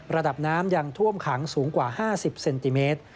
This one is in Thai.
ระดับน้ำยังท่วมขังสูงกว่า๕๐เซนติเมตร